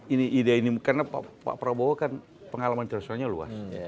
ini ide ini karena pak prabowo kan pengalaman internasionalnya luas